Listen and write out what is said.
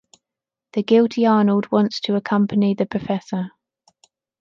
The guilty Arnold wants to accompany the professor.